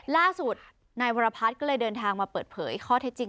ล่าสุดนายวรพัฒน์ก็เลยเดินทางมาเปิดเผยข้อเท็จจริง